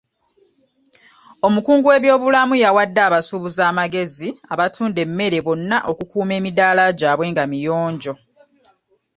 Omukungu w'ebyobulamu yawadde abasuubuzi amagezi abatunda emmere bonna okukuuma emidaala gyabwe nga miyonjo.